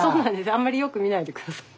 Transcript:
あんまりよく見ないで下さい。